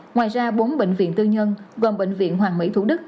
ngoài ra bốn bệnh viện tư nhân gồm bệnh viện hoàng mỹ thủ đức